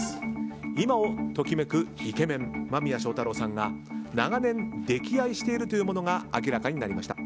今を時めくイケメン間宮祥太朗さんが長年、溺愛しているものが明らかになりました。